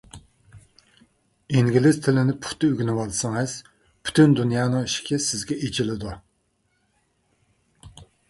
ئىنگلىز تىلىنى پۇختا ئۆگىنىۋالسىڭىز، پۈتۈن دۇنيانىڭ ئىشىكى سىزگە ئېچىلىدۇ.